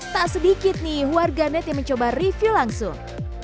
tak sedikit nih warganet yang mencoba review langsung